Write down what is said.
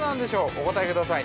お答えください。